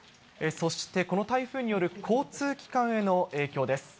そしてこの台風による交通機関への影響です。